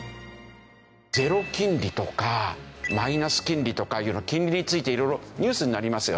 ゼロ金利とかマイナス金利とかいうの金利について色々ニュースになりますよね。